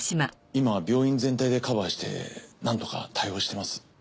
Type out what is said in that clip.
今は病院全体でカバーしてなんとか対応してます。